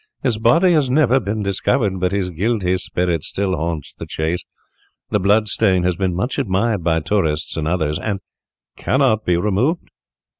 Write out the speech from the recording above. His body has never been discovered, but his guilty spirit still haunts the Chase. The blood stain has been much admired by tourists and others, and cannot be removed."